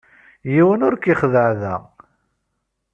Yiwen ur k-ixeddeɛ da.